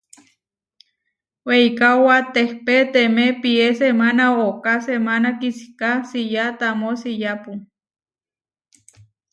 Weikaóba tehpé temé pié semána ooká semána kisiká siyá tamó siyápu.